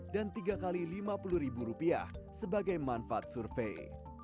dan tiga kali rp lima puluh sebagai manfaat survei